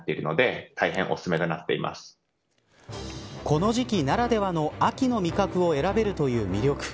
この時期ならではの秋の味覚を選べるという魅力。